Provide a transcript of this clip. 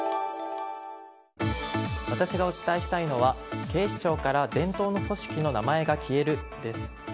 私がお伝えしたいのは警視庁から伝統の組織の名前が消えるです。